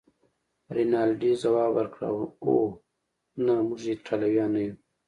رینالډي ځواب ورکړ: اوه، نه، موږ ایټالویان نه یو.